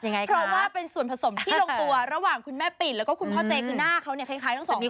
เพราะว่าเป็นส่วนผสมที่ลงตัวระหว่างคุณแม่ปิ่นแล้วก็คุณพ่อเจคือหน้าเขาเนี่ยคล้ายทั้งสองนี้